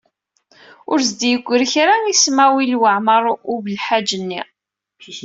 Ur s-d-yegri kra i Smawil Waɛmaṛ U Belḥaǧ-nni.